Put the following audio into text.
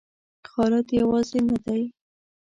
خالد یوازې نه دی.